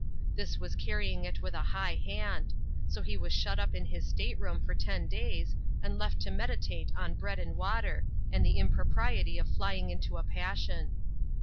This v/as carrying it with a high hand ; so he was shut up in his state room for ten days, and left to meditate on bread and water, and the impropriety of flying into a passion.